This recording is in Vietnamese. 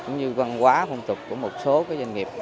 cũng như văn hóa phong tục của một số doanh nghiệp